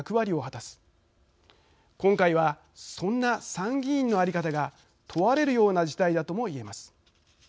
今回はそんな参議院のあり方が問われるような事態だとも言えます。